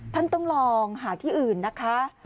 ท่านต้องลองหาที่อื่นนะคะ